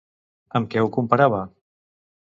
Amb què ho comparava?